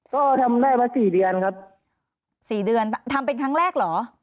ก็ทำได้มาสี่เดือนครับสี่เดือนทำเป็นครั้งแรกเหรอ